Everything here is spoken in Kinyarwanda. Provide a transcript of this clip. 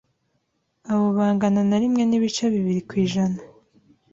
abo bangana na rimwe nibice bibiri kwijana